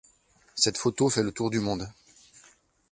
Cette photo fait le tour du monde.